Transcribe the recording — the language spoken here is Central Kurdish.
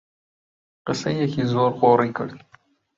قسەیەکی زۆر قۆڕی کرد